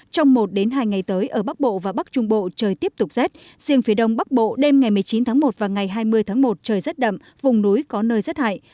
trong một hai ngày tới ở bắc bộ và bắc trung bộ trời tiếp tục rét riêng phía đông bắc bộ đêm ngày một mươi chín tháng một và ngày hai mươi tháng một trời rất đậm vùng núi có nơi rét hại